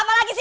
apa lagi sih